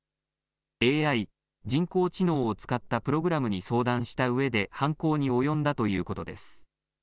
ＡＩ、人工知能を使ったプログラムに相談したうえで犯行に及んだということです。